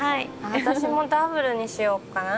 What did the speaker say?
私もダブルにしようかな。